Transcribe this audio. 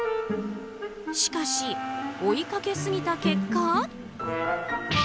しかし、追いかけすぎた結果。